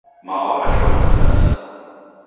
Mao waweshona kidasi